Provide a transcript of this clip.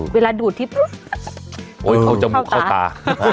เวลาดูดทิ้งอุ๋เข้าจมูกเข้าตา